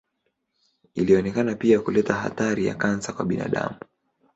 Ilionekana pia kuleta hatari ya kansa kwa binadamu.